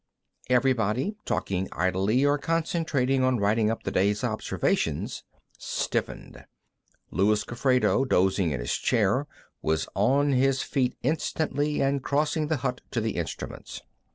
Everybody, talking idly or concentrating on writing up the day's observations, stiffened. Luis Gofredo, dozing in a chair, was on his feet instantly and crossing the hut to the instruments.